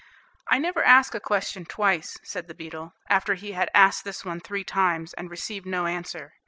"I never ask a question twice," said the beetle, after he had asked this one three times, and received no answer.